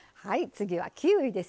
次はキウイですよ。